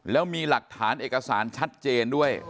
แล้วมีหลักฐานเอกสารชัดเจนด้วย